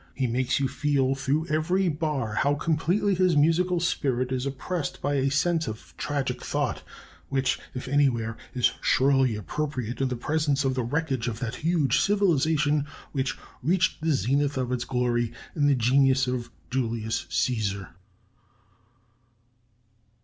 He makes you feel through every bar how completely his musical spirit is oppressed by a sense of tragic thought which, if anywhere, is surely appropriate in the presence of the wreckage of that huge civilization which reached the zenith of its glory in the genius of Julius Cæsar."